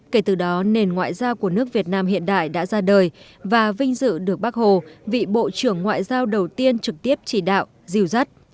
kể từ đó nền ngoại giao của nước việt nam hiện đại đã ra đời và vinh dự được bác hồ vị bộ trưởng ngoại giao đầu tiên trực tiếp chỉ đạo dìu dắt